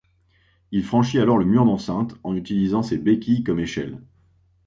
Il franchit alors le mur d'enceinte en utilisant ses béquilles comme échelle.